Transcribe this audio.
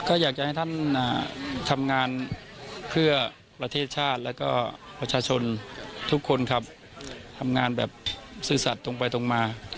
ก็อยากจะให้ท่านทำงานเพื่อประเทศชาติแล้วก็ประชาชนทุกคนครับทำงานแบบซื่อสัตว์ตรงไปตรงมา